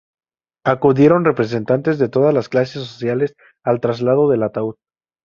Acudieron representantes de todas las clases sociales al traslado del ataúd.